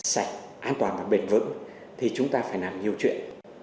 sạch an toàn và bền vững thì chúng ta phải làm nhiều chuyện